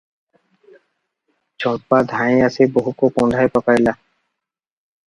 ଚମ୍ପା ଧାଇଁଆସି ବୋହୂକୁ କୁଣ୍ଢାଇ ପକାଇଲା ।